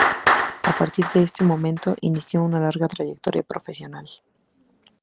A partir de ese momento, inició una larga trayectoria profesional.